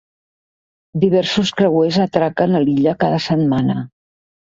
Diversos creuers atraquen a l'illa cada setmana.